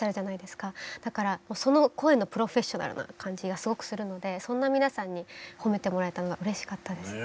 だからその声のプロフェッショナルな感じがすごくするのでそんな皆さんに褒めてもらえたのがうれしかったですね。